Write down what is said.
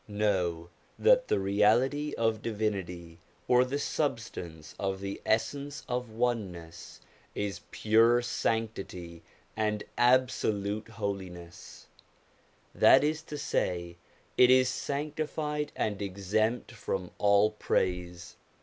Know that the Reality of Divinity or the substance of the Essence of Oneness is pure sanctity and absolute holiness : that is to say, it is sanctified and exempt from all praise.